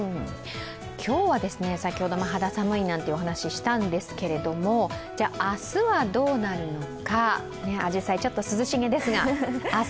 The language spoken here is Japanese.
今日は、先ほども肌寒いだなんて話をしたんですけども明日はどうなるのか、あじさいちょっと涼しげですが。